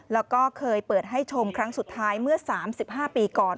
แล้วก็เคยเปิดให้ชมครั้งสุดท้ายเมื่อ๓๕ปีก่อน